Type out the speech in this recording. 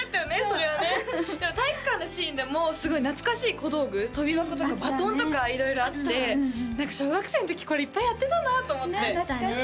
それはねそう体育館のシーンでもすごい懐かしい小道具跳び箱とかバトンとか色々あって何か小学生の時これいっぱいやってたなと思ってねえ